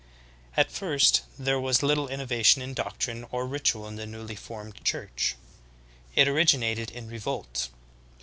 18. At first there was little innovation in doctrine or ritual in the newly formed church. It originated in revolt.